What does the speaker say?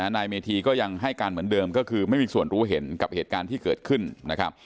นายเมธีก็ยังให้การเหมือนเดิมก็คือไม่มีส่วนรู้เห็นกับเหตุการณ์ที่เกิดขึ้นนะครับ